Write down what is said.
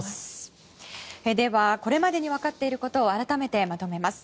では、これまでに分かっていることを改めてまとめます。